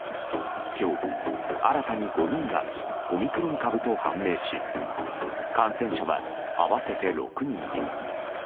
今日、新たに５人がオミクロン株と判明し感染者は合わせて６人に。